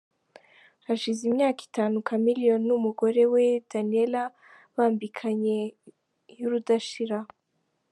Hashize imyaka itanu Chameleone numugore we Daniellah bambikanye iyurudashira.